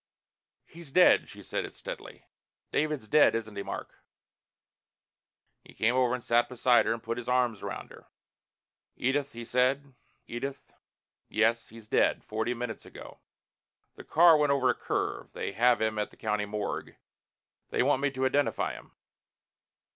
"He's dead." She said it steadily. "David's dead, isn't he, Mark?" He came over and sat beside her and put his arms around her. "Edith," he said. "Edith Yes, he's dead. Forty minutes ago. The car went over a curve. They have him at the County morgue. They want me to identify him.